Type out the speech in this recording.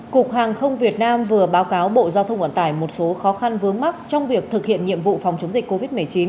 cục hàng không việt nam vừa báo cáo bộ giao thông vận tải một số khó khăn vướng mắt trong việc thực hiện nhiệm vụ phòng chống dịch covid một mươi chín